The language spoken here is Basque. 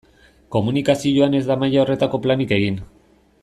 Komunikazioan ez da maila horretako planik egin.